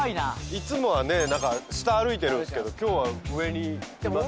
いつもはね下歩いてるんですけど今日は上に行ってますね。